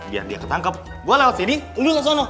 biar dia ketangkep gua lewat sini undur langsung sama lu